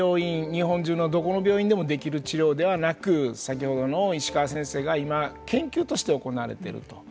日本中のどこの病院でもできる治療ではなく先ほどの石川先生が今研究として行われていると。